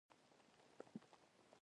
د ځمکې کیناستل یو خطر دی.